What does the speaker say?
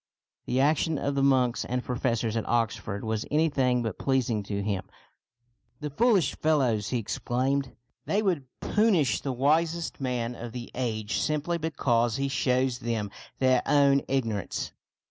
The action of the monks and professors at Oxford was anything but pleasing to him. " The foolish fellows !" he exclaimed. " They would punish the wisest man of the age simply because he shows them their own ignorance."